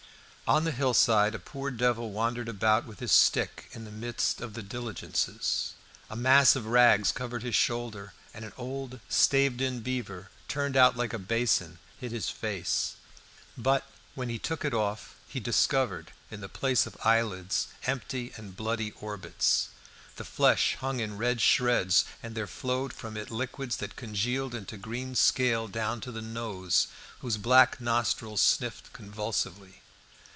On the hillside a poor devil wandered about with his stick in the midst of the diligences. A mass of rags covered his shoulders, and an old staved in beaver, turned out like a basin, hid his face; but when he took it off he discovered in the place of eyelids empty and bloody orbits. The flesh hung in red shreds, and there flowed from it liquids that congealed into green scale down to the nose, whose black nostrils sniffed convulsively.